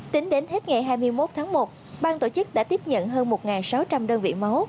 tính đến hết ngày hai mươi một tháng một bang tổ chức đã tiếp nhận hơn một sáu trăm linh đồng